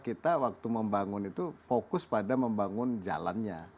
kita waktu membangun itu fokus pada membangun jalannya